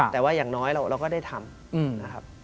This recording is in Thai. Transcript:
แต่ว่าอย่างน้อยเราก็ได้ทำ